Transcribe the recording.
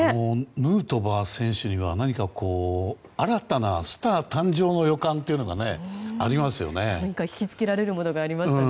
ヌートバー選手には新たなスター誕生の予感がありますよね。